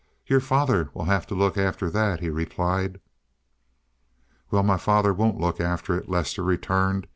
"Your father will have to look after that," he replied. "Well, my father won't look after it," Lester returned.